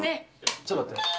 ちょっと待って。